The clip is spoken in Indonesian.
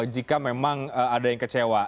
jika memang ada yang kecewa